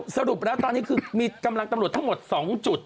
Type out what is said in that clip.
สรุปแล้วตอนนี้คือมีกำลังตำรวจทั้งหมด๒จุด